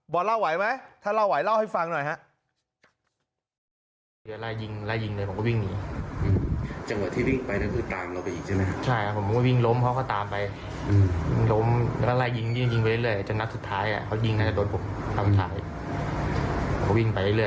เล่าไหวไหมถ้าเล่าไหวเล่าให้ฟังหน่อยฮะ